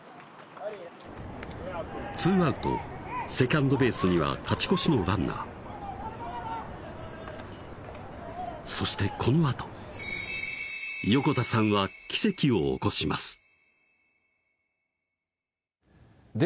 ２アウトセカンドベースには勝ち越しのランナーそしてこのあと横田さんは奇跡を起こします